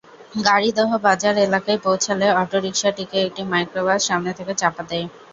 গাড়িদহ বাজার এলাকায় পৌঁছালে অটোরিকশাটিকে একটি মাইক্রোবাস সামনে থেকে চাপা দেয়।